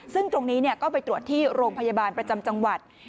ซึ่งตรงนี้ก็ไปตรวจที่โรงพยาบาลประจำจังหวัด